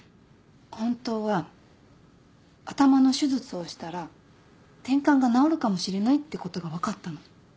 本当は頭の手術をしたらてんかんが治るかもしれないってことが分かったの。